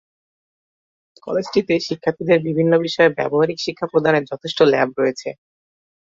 কলেজটিতে শিক্ষার্থীদের বিভিন্ন বিষয়ে ব্যবহারিক শিক্ষা প্রদানের যথেষ্ট ল্যাব রয়েছে।